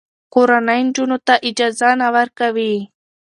کورنۍ نجونو ته اجازه نه ورکوي.